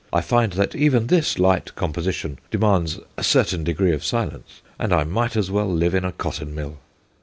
I find that even this light com position demands a certain degree of silence, and I might as well live in a cotton mill.'